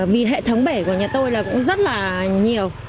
vì hệ thống bể của nhà tôi là cũng rất là nhiều